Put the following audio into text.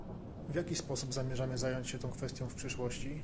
W jaki sposób zamierzamy zająć się tą kwestią w przyszłości?